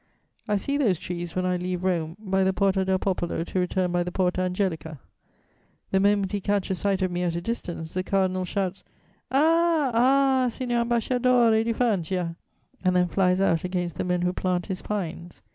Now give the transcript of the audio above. I see those trees when I leave Rome by the Porta del Popolo to return by the Porta Angelica. The moment he catches sight of me at a distance, the cardinal shouts, "Ah! ah! Signor Ambasciadore di Francia!" and then flies out against the men who plant his pines.